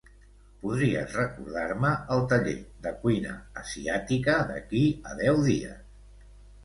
Podries recordar-me el taller de cuina asiàtica d'aquí a deu dies.